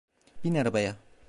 Bin arabaya.